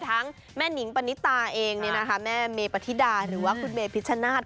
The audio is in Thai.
ทั้งแม่นิงปณิตาเองแม่เมปฏิดาหรือว่าคุณเมพิชชนาธิ